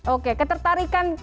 oke ketertarikan ketika